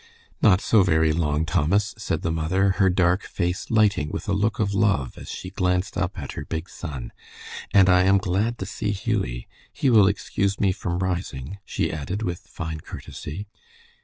"Not so very long, Thomas," said the mother, her dark face lighting with a look of love as she glanced up at her big son. "And I am glad to see Hughie. He will excuse me from rising," she added, with fine courtesy.